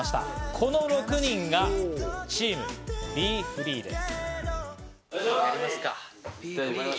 この６人がチームＢｅＦｒｅｅです。